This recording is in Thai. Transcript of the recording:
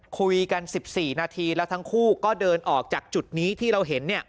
คุยกัน๑๔นาทีแล้วทั้งคู่ก็เดินออกจากจุดนี้ที่เราเห็น